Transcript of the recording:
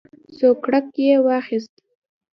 سوکړک یې واخیست.